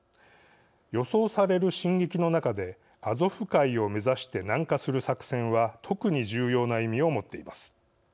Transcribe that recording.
予想される進撃の中でアゾフ海を目指して南下する作戦は特に重要な意味を持っています。